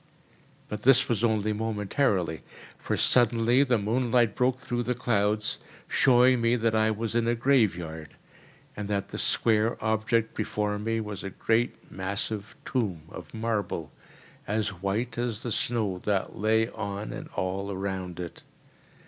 But this was only momentarily; for suddenly the moonlight broke through the clouds, showing me that I was in a graveyard, and that the square object before me was a great massive tomb of marble, as white as the snow that lay on and all around it.